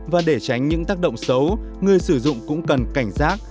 và để tránh những tác động xấu người sử dụng cũng cần cảnh giác